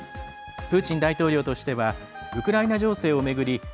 プーチン大統領としてはウクライナ情勢を巡り